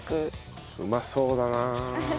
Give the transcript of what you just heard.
うまそうだな。